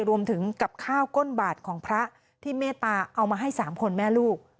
รวมถึงกับข้าวก้นบาทพระที่เมตาเอามาให้๓คนแม่ลูก